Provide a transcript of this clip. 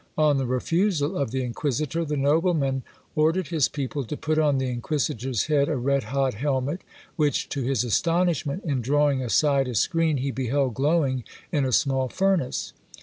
On the refusal of the inquisitor, the nobleman ordered his people to put on the inquisitor's head a red hot helmet, which to his astonishment, in drawing aside a screen, he beheld glowing in a small furnace.